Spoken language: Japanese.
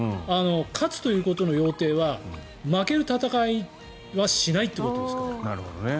勝つということの要諦は負ける戦いはしないということですから。